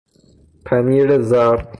پنیر زرد